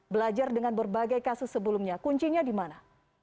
belajar dengan berbagai kasus sebelumnya kuncinya di mana